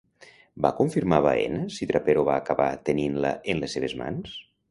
Va confirmar Baena si Trapero va acabar tenint-la en les seves mans?